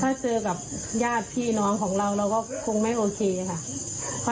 ถ้าเจอกับญาติพี่น้องของเราเราก็คงไม่โอเคค่ะ